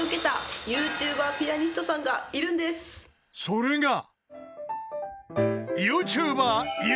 ［それが］